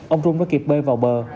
ông trung đã kịp bơi vào bờ